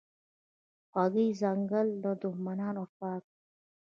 هغوی ځنګل له دښمنانو پاک کړ.